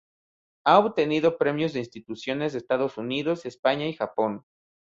Ha obtenido premios de instituciones de Estados Unidos, España y Japón.